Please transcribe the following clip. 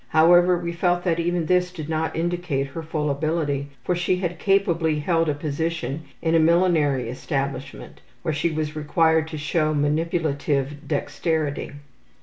However, we felt that even this did not indicate her full ability, for she had capably held a position in a millinery establishment where she was required to show manipulative dexterity.